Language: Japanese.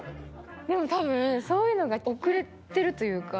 でもたぶんそういうのが遅れてるというか。